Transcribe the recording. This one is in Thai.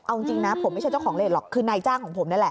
เอาจริงนะผมไม่ใช่เจ้าของเลสหรอกคือนายจ้างของผมนั่นแหละ